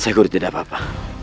syahgur tidak apa apa